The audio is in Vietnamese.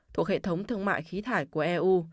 thuộc hệ thống thương mại khí thải của eu